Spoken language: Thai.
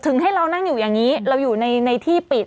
ให้เรานั่งอยู่อย่างนี้เราอยู่ในที่ปิด